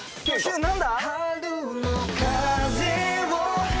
何だ？